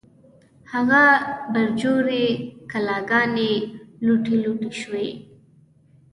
هغه برجورې کلاګانې، لوټې لوټې شوې